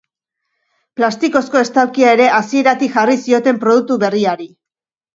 Plastikozko estalkia ere hasieratik jarri zioten produktu berriari.